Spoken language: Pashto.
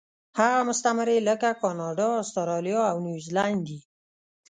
هغه مستعمرې لکه کاناډا، اسټرالیا او نیوزیلینډ دي.